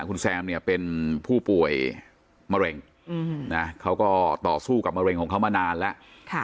คุณแซมเนี่ยเป็นผู้ป่วยมะเร็งนะเขาก็ต่อสู้กับมะเร็งของเขามานานแล้ว